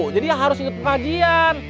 jadi harus ikut pengajian